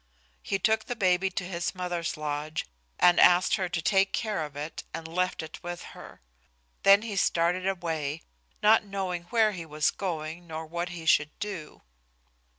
He took the baby to his mother's lodge and asked her to take care of it and left it with her. Then he started away, not knowing where he was going nor what he should do.